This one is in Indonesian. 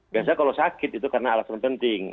biasanya kalau sakit itu karena alasan penting